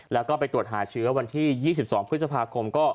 แล้วก็ไปตรวจหาเชื้อวันที่๒๒พฤษภาคม